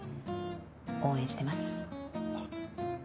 応援してます。